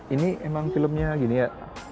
ini emang filmnya gini ya